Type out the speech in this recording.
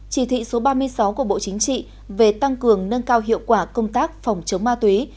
chỉ thị số ba mươi sáu của bộ chính trị về tăng cường nâng cao hiệu quả công tác phòng chống ma túy